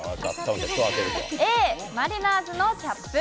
Ａ、マリナーズのキャップ。